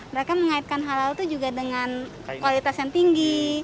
mereka mengaitkan halal itu juga dengan kualitas yang tinggi